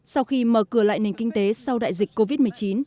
sau khi mở cửa lại nền kinh tế sau đại dịch covid một mươi chín